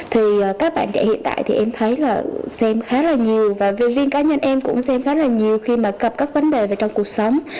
thì các bạn trẻ hiện tại thì em thấy là xem khá là nhiều và riêng cá nhân em cũng xem khá là nhiều khi mà gặp các vấn đề về trong cuộc sống